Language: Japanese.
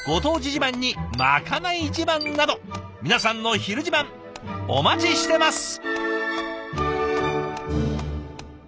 自慢にまかない自慢など皆さんの「ひる自慢」お待ちしてます。